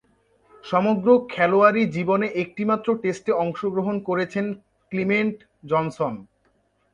সমগ্র খেলোয়াড়ী জীবনে একটিমাত্র টেস্টে অংশগ্রহণ করেছেন ক্লিমেন্ট জনসন।